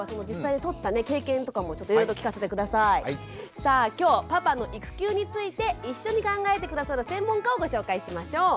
さあ今日パパの育休について一緒に考えて下さる専門家をご紹介しましょう。